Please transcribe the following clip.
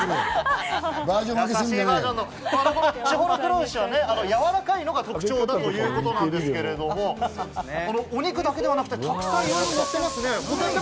士幌黒牛はやわらかいのが特徴だということですけれども、お肉だけではなくて特産、いろいろのってますね。